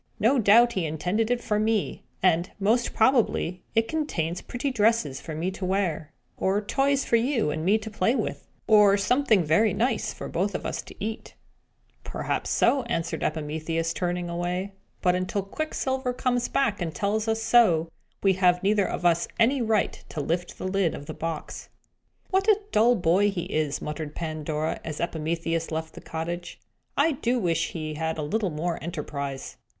No doubt he intended it for me; and, most probably, it contains pretty dresses for me to wear, or toys for you and me to play with, or something very nice for us both to eat!" "Perhaps so," answered Epimetheus, turning away. "But until Quicksilver comes back and tells us so, we have neither of us any right to lift the lid of the box." "What a dull boy he is!" muttered Pandora, as Epimetheus left the cottage. "I do wish he had a little more enterprise!"